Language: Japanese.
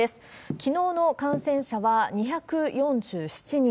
きのうの感染者は２４７人。